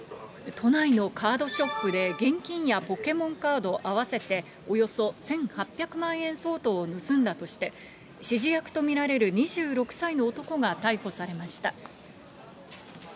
都内のカードショップで現金やポケモンカード合わせておよそ１８００万円相当を盗んだとして、指示役と見られる２６歳の男が逮捕されました。